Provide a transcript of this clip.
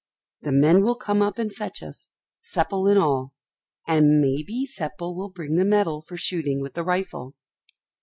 The men will come up and fetch us, Seppel and all; and may be Seppel will bring the medal for shooting with the rifle."